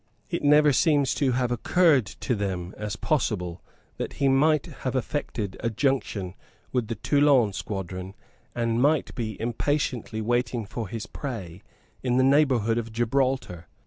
It never seems to have occurred to them as possible that he might have effected a junction with the Toulon squadron, and might be impatiently waiting for his prey in the neighbourhood of Gibraltar.